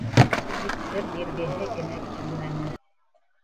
Тик сер биргеһе генә килмәне.